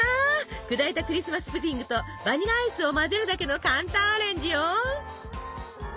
砕いたクリスマス・プディングとバニラアイスを混ぜるだけの簡単アレンジよ！